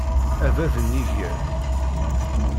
A bab n yiger.